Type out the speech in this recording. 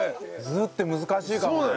「ず」って難しいかもね。